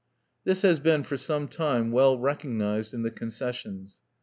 This has been for some time well recognized in the concessions.